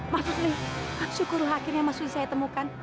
mas rusli syukur akhirnya mas rusli saya temukan